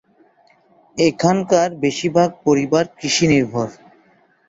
এখানকার বেশীরভাগ পরিবার কৃষি নির্ভর।